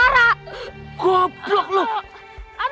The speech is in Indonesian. gara gara bang arak